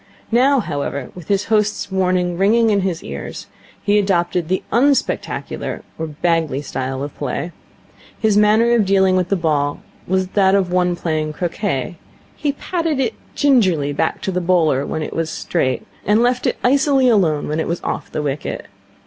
Now, however, with his host's warning ringing in his ears, he adopted the unspectacular, or Bagley, style of play. His manner of dealing with the ball was that of one playing croquet. He patted it gingerly back to the bowler when it was straight, and left it icily alone when it was off the wicket.